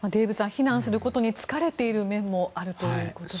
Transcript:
避難することに疲れている面もあるということです。